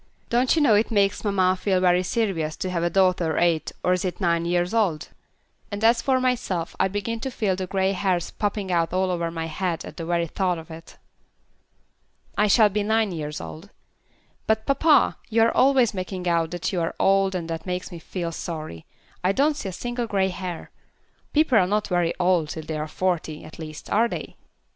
Don't you know it makes mamma feel very serious to have a daughter eight or is it nine years old? And as for myself, I begin to feel the grey hairs popping out all over my head at the very thought of it." "I shall be nine years old. But, papa, you are always making out that you are old and that makes me feel sorry. I don't see a single grey hair. People are not very old till they are forty, at least, are they?"